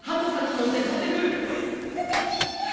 ・ふでじいさん！